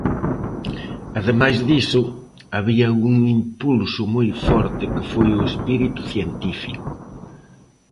Ademais diso, había un impulso moi forte que foi o espírito científico.